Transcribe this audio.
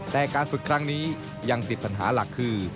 แต่การฝึกครั้งนี้ยังติดปัญหาหลักคือ